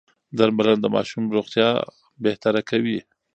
درملنه د ماشوم روغتيا بهتره کوي.